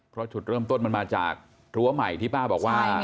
เพราะจุดเริ่มต้นมันมาจากรั้วใหม่ที่ป้าบอกว่า